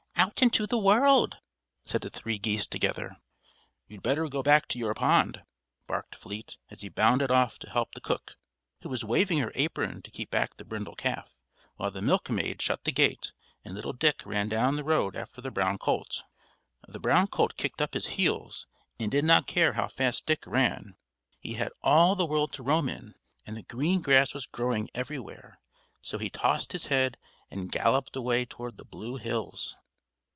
"Out into the world," said the three geese together. "You'd better go back to your pond," barked Fleet, as he bounded off to help the cook, who was waving her apron to keep back the brindle calf, while the milkmaid shut the gate, and little Dick ran down the road after the brown colt. The brown colt kicked up his heels, and did not care how fast Dick ran. He had all the world to roam in, and the green grass was growing everywhere; so he tossed his head and galloped away toward the blue hills.